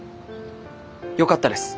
よかったです。